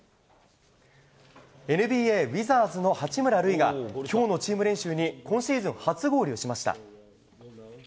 ＮＢＡウィザーズの八村塁が今日のチーム練習に今シーズン初合流しました。